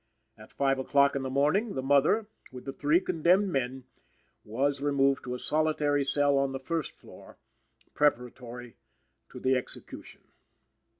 At five o'clock in the morning, the mother (with the three condemned men), was removed to a solitary cell on the first floor, preparatory to the execution.